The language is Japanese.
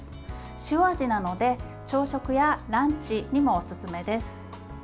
塩味なので朝食やランチにもおすすめです。